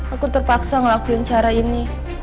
aku terpaksa ngelakuin cara ini